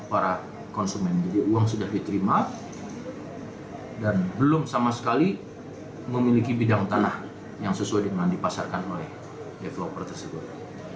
para konsumen jadi uang sudah diterima dan belum sama sekali memiliki bidang tanah yang sesuai dengan dipasarkan oleh developer tersebut